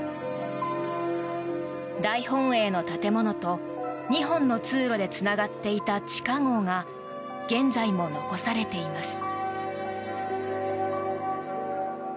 大本営の建物と２本の通路でつながっていた地下壕が現在も残されています。